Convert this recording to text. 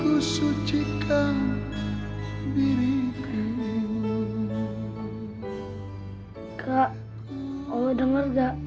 kak allah dengar gak